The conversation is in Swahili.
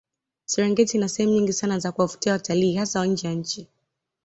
Serengeti ina sehemu nyingi Sana za kuwavutia watalii hasa wa nje ya nchi